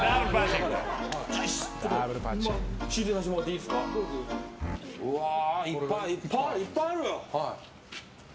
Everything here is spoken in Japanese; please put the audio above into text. いっぱいある！